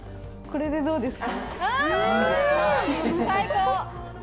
これでどうですか？